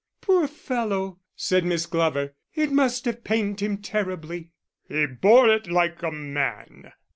"Poor fellow!" said Miss Glover, "it must have pained him terribly." "He bore it like a man."